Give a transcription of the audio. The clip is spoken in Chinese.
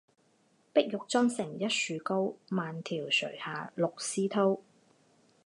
碧玉妆成一树高，万条垂下绿丝绦